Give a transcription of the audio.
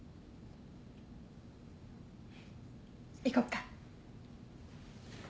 行こっか。